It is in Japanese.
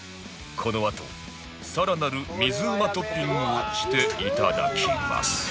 このあと更なる水うまトッピングをしていただきます